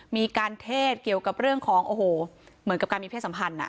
มีการเทศเกี่ยวกับเรื่องของโอ้โหเหมือนกับการมีเพศสัมพันธ์